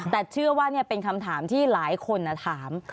แต่เชื่อว่าเป็นคำถามที่หลายคนถาม